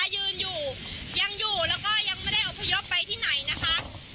ยืนอยู่ยังอยู่แล้วก็ยังไม่ได้อพยพไปที่ไหนนะคะ